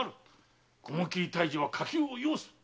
雲切退治は火急を要す。